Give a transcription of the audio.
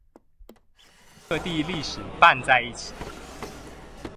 與各地歷史拌在一起